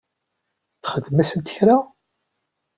Txdem-asent kra?